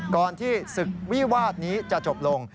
ก่อนที่ศึกวิวาสนี้จะจบลง